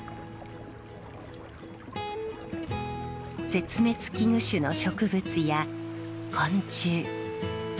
絶滅危惧種の植物や昆虫。